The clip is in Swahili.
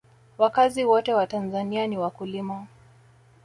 wakazi wote wa tanzania ni wakulima